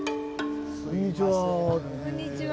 こんにちは。